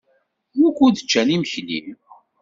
Wukud ččan imekli?